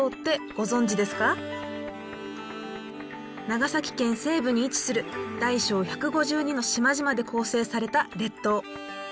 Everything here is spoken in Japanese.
長崎県西部に位置する大小１５２の島々で構成された列島。